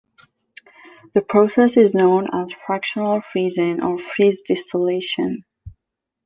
The process is known as "fractional freezing" or "freeze distillation".